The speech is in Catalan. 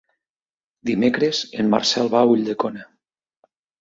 Dimecres en Marcel va a Ulldecona.